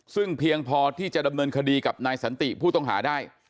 ซึ่งเพียงพอที่จะดำเนินคดีกับนายสันติผู้ต้องหาได้